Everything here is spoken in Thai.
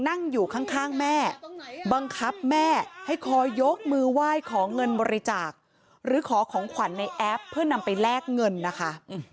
พอยกมือไหว้ของเงินบริจาคหรือขอของขวัญในแอปเพื่อนำไปแลกเงินนะคะ